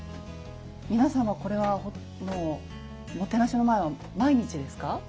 皆さんはこれはもうもてなしの前は毎日ですか？